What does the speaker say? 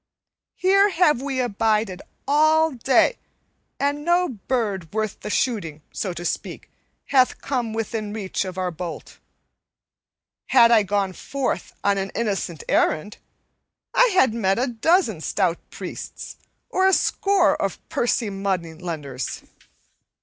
"Here have we abided all day, and no bird worth the shooting, so to speak, hath come within reach of our bolt. Had I gone forth on an innocent errand, I had met a dozen stout priests or a score of pursy money lenders.